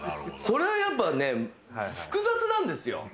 それはやっぱ、複雑なんですよ。